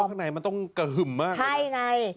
สมมติว่าข้างในมันต้องกระหึ่มมากเลยใช่ไง